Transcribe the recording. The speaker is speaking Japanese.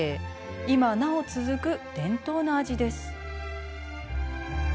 今なお続く伝統の味です。